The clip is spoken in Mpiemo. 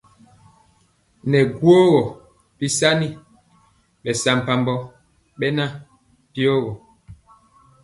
Nɛ guógó bisaŋi bɛsampabɔ beŋan byigɔ.